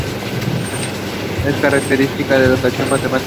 Es catedrática de educación matemática.